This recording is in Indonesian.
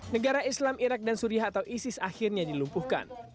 negara islam irak dan suriah atau isis akhirnya dilumpuhkan